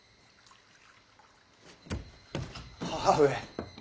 母上。